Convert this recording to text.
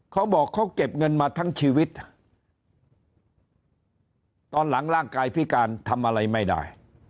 เขาบอกเขาเก็บเงินมาทั้งชีวิตตอนหลังร่างกายพิการทำอะไรไม่ได้